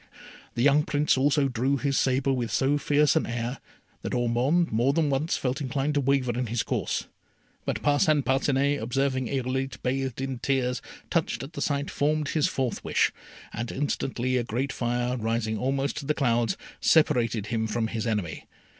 The young Prince also drew his sabre with so fierce an air, that Ormond more than once felt inclined to waver in his course; but Parcin Parcinet, observing Irolite bathed in tears, touched at the sight, formed his fourth wish, and instantly a great fire rising almost to the clouds, separated him from his enemy.